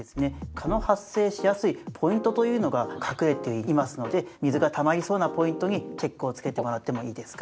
蚊の発生しやすいポイントというのが隠れていますので水がたまりそうなポイントにチェックを付けてもらってもいいですか。